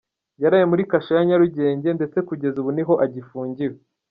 Yaraye muri kasho ya Nyarugenge ndetse kugeza ubu niho agifungiwe.